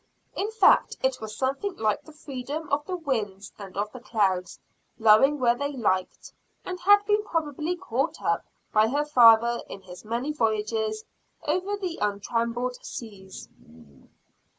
In fact, it was something like the freedom of the winds and of the clouds, blowing where they liked; and had been probably caught up by her father in his many voyages over the untrammeled seas.